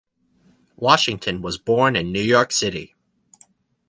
Washington was born in New York City.